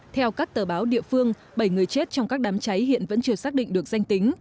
theo các tờ báo địa phương bảy người chết trong các đám cháy hiện vẫn chưa xác định được danh tính